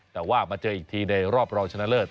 แต่ว่ามาเจออีกทีในรอบรองชนะเลิศ